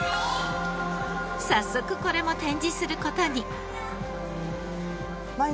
早速これも展示する事に。